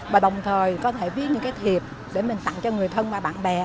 và đồng thời có thể viết những cái thiệt để mình tặng cho người thân và bạn bè